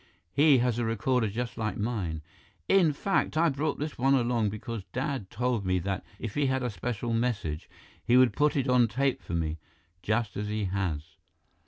He has a recorder just like mine; in fact, I brought this one along because Dad told me that if he had a special message, he would put it on tape for me just as he has!"